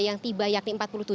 yang tiba yakni empat puluh tujuh